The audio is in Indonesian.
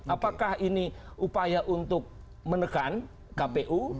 apakah ini upaya untuk menekan kpu